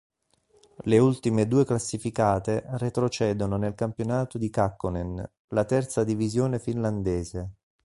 Le ultime due classificate retrocedono nel campionato di Kakkonen, la terza divisione finlandese.